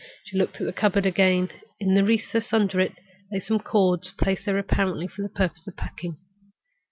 She looked at the cupboard again. In a recess under it lay some ends of cord, placed there apparently for purposes of packing.